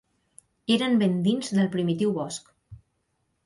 Eren ben dins del primitiu bosc.